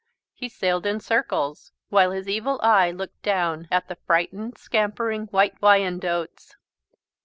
He sailed in circles, while his evil eye looked down at the frightened, scampering White Wyandottes.